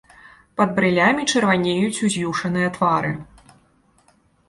Пад брылямі чырванеюць уз'юшаныя твары.